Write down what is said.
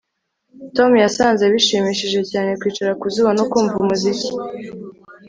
Tom yasanze bishimishije cyane kwicara ku zuba no kumva umuziki